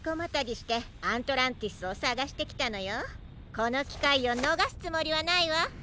このきかいをのがすつもりはないわ。